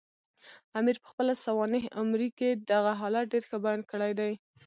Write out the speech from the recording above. امیر پخپله سوانح عمري کې دغه حالت ډېر ښه بیان کړی دی.